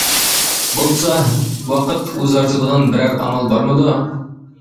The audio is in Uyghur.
بولسا ۋاقىت ئۇزارتىدىغان بىرەر ئامال بارمىدۇ؟ .